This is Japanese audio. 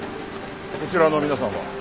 こちらの皆さんは？